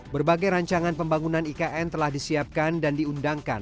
berbagai rancangan pembangunan ikn telah disiapkan dan diundangkan